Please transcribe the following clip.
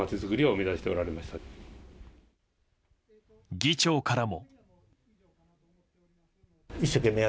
議長からも。